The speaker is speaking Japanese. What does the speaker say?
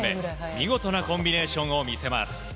見事なコンビネーションを見せます。